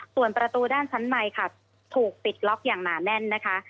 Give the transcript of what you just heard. ส่วนประตูด้านชั้นในค่ะถูกปิดล็อกอย่างหนาแน่นนะคะ